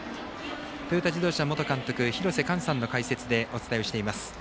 トヨタ自動車元監督廣瀬寛さんの解説でお伝えをしています。